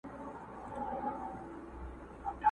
چي پر دي دي او که خپل خوبونه ویني!.